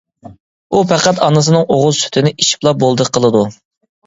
ئۇ پەقەت ئانىسىنىڭ ئوغۇز سۈتىنى ئېچىپلا بولدى قىلىدۇ.